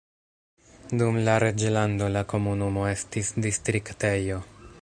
Dum la reĝlando la komunumo estis distriktejo.